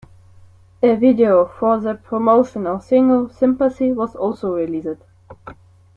A video for the promotional single "Sympathy" was also released.